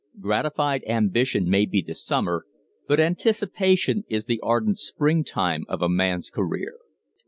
Gratified ambition may be the summer, but anticipation is the ardent spring time of a man's career.